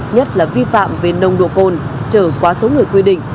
nhất là vi phạm về nông độ cồn chở quá số người quy định